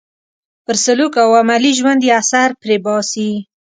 پر سلوک او عملي ژوند یې اثر پرې باسي.